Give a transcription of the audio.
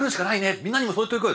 みんなにもそう言っておくよ」